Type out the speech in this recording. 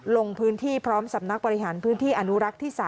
ลงพื้นที่พร้อมสำนักบริหารพื้นที่อนุรักษ์ที่๓